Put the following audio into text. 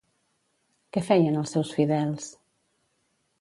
Què feien els seus fidels?